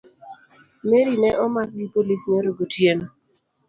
Mary ne omak gi polis nyoro gotieno